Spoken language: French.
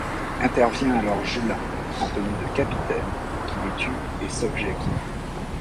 Intervient alors Julin, en tenue de capitaine, qui les tue et sauve Jacky.